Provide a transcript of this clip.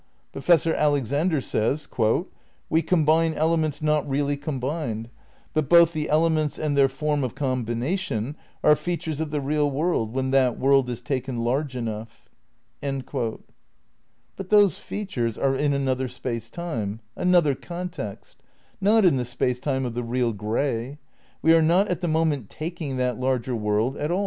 Professor Alexander says: "We combine elements not really combined, but both the ele ments and their form of combination are features of the real world when that world is taken large enough." ' But those features are in another space time, an other context; not in the space time of the "real" grey. We are not at the moment '' taking" that larger world at all. 'Space, Time and Deity, Vol.